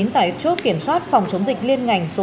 tại trốt kiểm soát phòng chống dịch liên ngành số năm